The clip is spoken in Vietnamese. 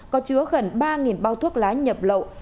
có chứa gần ba bao thuốc lá nhập lộ